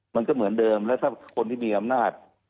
มันก็เหมือนเดิมแล้วถ้าคนที่มีอำนาจ